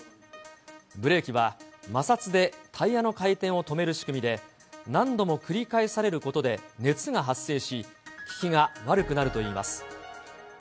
ブレーキは、摩擦でタイヤの回転を止める仕組みで、何度も繰り返されることで熱が発生し、利きが悪くなるといいます。